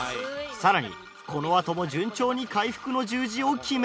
更にこのあとも順調に回復の十字を決め。